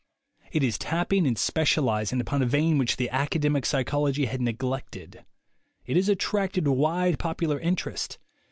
It is tapping and specializing upon a vein which the academic psychology had neglected. It has attracted wide popular interest.